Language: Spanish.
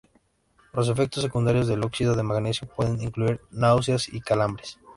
Los efectos secundarios del óxido de magnesio pueden incluir náuseas y calambres.